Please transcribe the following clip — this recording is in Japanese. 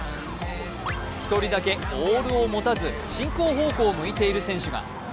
１人だけオールを持たず進行方向を向いている選手が。